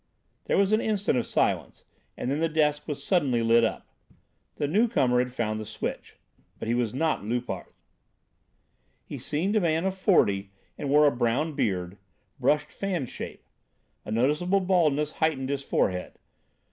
There was an instant of silence, and then the desk was suddenly lit up. The new comer had found the switch. But he was not Loupart. He seemed a man of forty and wore a brown beard, brushed fan shape; a noticeable baldness heightened his forehead.